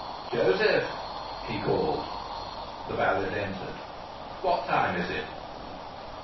"Joseph!" he called. The valet entered. "What time is it?"